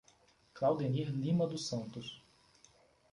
Claudenir Lima dos Santos